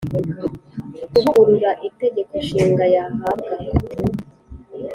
Kuvugurura itegeko nshinga yahabwa